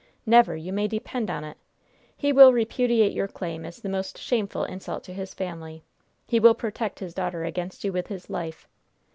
Never, you may depend on it! He will repudiate your claim as the most shameful insult to his family. He will protect his daughter against you with his life.